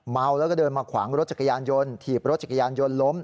เมาแล้วก็เดินมาขวางรถจักรยานยนต์ถีบรถจักรยานยนต์ล้ม